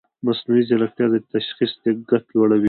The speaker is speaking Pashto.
مصنوعي ځیرکتیا د تشخیص دقت لوړوي.